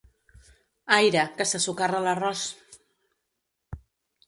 Aire, que se socarra l'arròs!